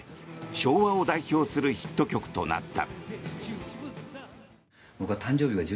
昭和を代表するヒット曲となった。